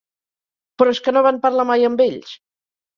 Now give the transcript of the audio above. Però és que no van parlar mai amb ells!